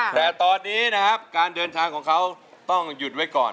แต่ตอนนี้นะครับการเดินทางของเขาต้องหยุดไว้ก่อน